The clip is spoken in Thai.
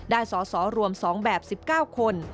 สอสอรวม๒แบบ๑๙คน